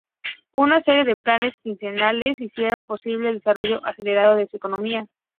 Una serie de planes quinquenales hicieron posible el desarrollo acelerado de su economía.